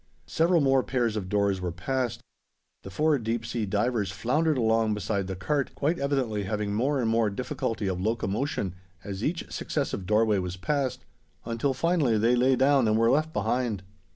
Several more pairs of doors were passed. The four deep sea divers floundered along beside the cart, quite evidently having more and more difficulty of locomotion as each successive doorway was passed, until finally they lay down and were left behind.